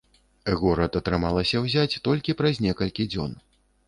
Горад атрымалася ўзяць толькі праз некалькі дзён.